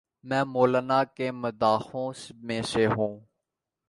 میں مولانا کے مداحوں میں سے ہوں۔